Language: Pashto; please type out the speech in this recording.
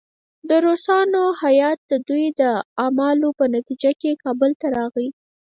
د روسانو هیات د دوی د اعمالو په نتیجه کې کابل ته راغی.